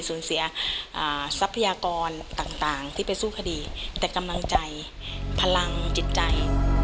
สูญเสียทรัพยากรต่างที่ไปสู้คดีแต่กำลังใจพลังจิตใจ